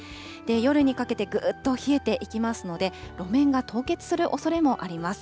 夜にかけてぐっと冷えていきますので、路面が凍結するおそれもあります。